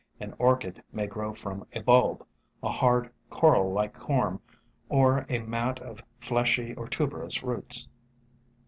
An Orchid may grow from a bulb, a hard, coral like corm, or a mat of fleshy or tuberous roots.